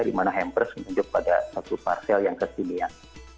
dimana hampers menunjuk pada satu parcel yang kekinian